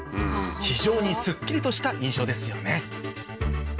非常にスッキリとした印象ですよね